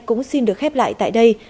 cũng xin được khép lại tại đây